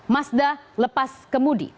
mazda lepas kemudi